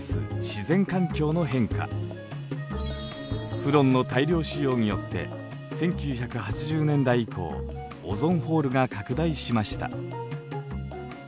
フロンの大量使用によって１９８０年代以降オゾンホールが拡大しました。